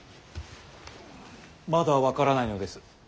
まだ分からないのです。